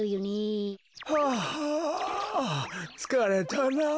はぁつかれたなあ。